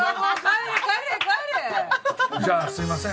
じゃあすみません。